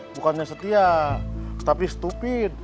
bukannya setia tapi stupid